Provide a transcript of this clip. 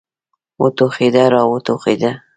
وټوخېده را وټوخېده.